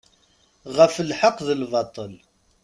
Ɣef lḥeq d lbaṭṭel.